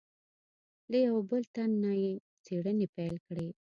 له یوه بل تن نه یې څېړنې پیل کړې.